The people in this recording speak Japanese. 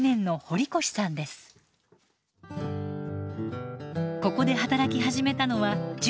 ここで働き始めたのは１５歳の頃。